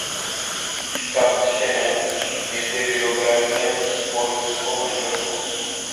Kaemtšenent je zde vyobrazen spolu se svou manželkou.